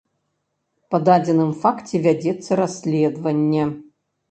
Па дадзеным факце вядзецца расследаванне.